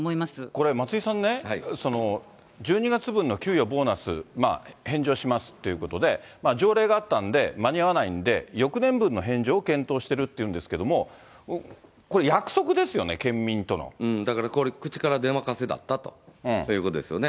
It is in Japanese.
これ松井さんね、１２月分の給与、ボーナス、返上しますっていうことで、条例があったんで、間に合わないんで、翌年分の返上を検討しているっていうんですけども、これ、約束でだからこれ、口から出まかせだったということですよね。